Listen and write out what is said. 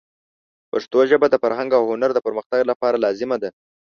پښتو ژبه د فرهنګ او هنر د پرمختګ لپاره لازمه ده.